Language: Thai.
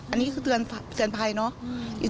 อันนี้คือเตือนภัยเนาะ